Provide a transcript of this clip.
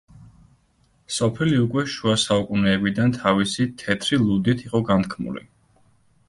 სოფელი უკვე შუა საუკუნეებიდან თავისი „თეთრი ლუდით“ იყო განთქმული.